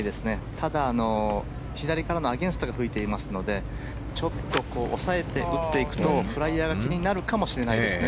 ただ、左からのアゲンストが吹いていますのでちょっと抑えて振っていくとフライヤーが気になるかもしれませんね。